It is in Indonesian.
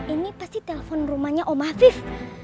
ini pasti telepon rumahnya rumah viv